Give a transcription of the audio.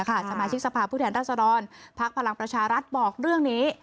รุ่นเรืองกิจนะคะสมาชิกสภาพผู้แทนรัฐสรรค์ภาคพลังประชารัฐบอกเรื่องนี้